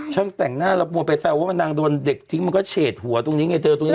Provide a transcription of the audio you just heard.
ช่างแต่งหน้าแล้วกลัวไปแซวว่านางโดนเด็กทิ้งมันก็เฉดหัวตรงนี้ไงเจอตรงนี้